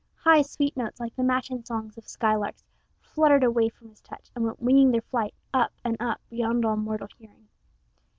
High, sweet notes, like the matin songs of sky larks, fluttered away from his touch, and went winging their flight up and up beyond all mortal hearing.